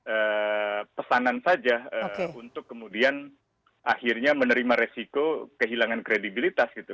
ada pesanan saja untuk kemudian akhirnya menerima resiko kehilangan kredibilitas gitu